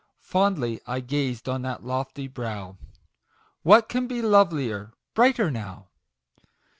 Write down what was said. Fondly I gazed on that lofty brow " What can be lovelier brighter now